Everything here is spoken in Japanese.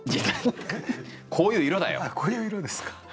あっこういう色ですか。